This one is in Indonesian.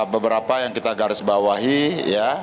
beberapa yang kita garisbawahi ya